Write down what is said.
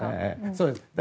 そうです。